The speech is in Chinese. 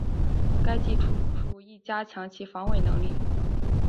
该技术亦加强其防伪能力。